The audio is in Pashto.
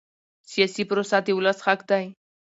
سیاسي پروسه د ولس حق دی